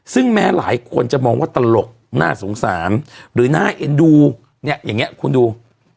ซึ่งแม้หลายคนจะมองว่าตลกน่าสงสารหรือน่าเอ็นดูเนี่ยอย่างนี้คุณดู